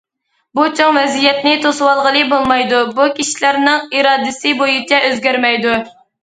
بۇ چوڭ ۋەزىيەتنى توسۇۋالغىلى بولمايدۇ، بۇ كىشىلەرنىڭ ئىرادىسى بويىچە ئۆزگەرمەيدۇ.